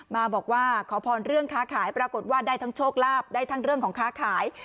มาบอกว่าขอพรเรื่องค้าขายปรากฏว่าได้ทั้งโชคลาภได้ทั้งเรื่องของค้าขาย